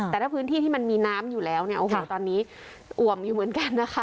แต่ถ้าพื้นที่ที่มันมีน้ำอยู่แล้วเนี่ยโอ้โหตอนนี้อ่วมอยู่เหมือนกันนะคะ